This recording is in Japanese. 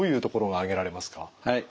はい。